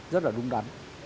rất là đúng đắn